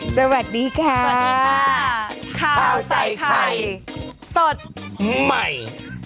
สวัสดีค่ะสวัสดีค่ะข้าวใส่ไข่สดใหม่